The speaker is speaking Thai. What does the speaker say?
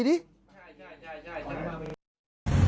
ใช่ถึงกล้าวิทยาลักษณ์